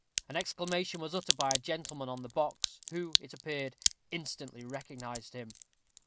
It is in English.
An exclamation was uttered by a gentleman on the box, who, it appeared, instantly recognized him.